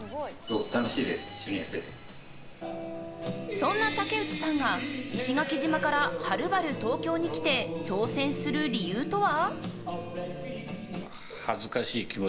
そんな武内さんが石垣島から、はるばる東京に来て挑戦する理由とは。